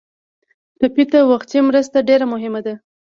ټپي ته وختي مرسته ډېره مهمه ده.